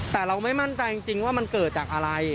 แต่เราไม่มั่นใจจริงว่ามันเกิดจากอะไร